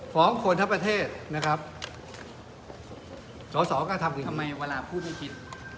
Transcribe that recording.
ฟ้องคนทั้งประเทศนะครับสอบสอบการทำอย่างนี้ทำไมเวลาพูดไม่คิด